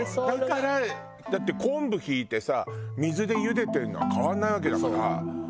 だからだって昆布ひいてさ水でゆでてるのは変わらないわけだから。